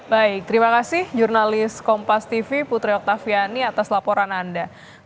baik terima kasih jurnalis kompas tv putri oktaviani atas laporan anda